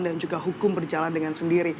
dan juga hukum berjalan dengan sendiri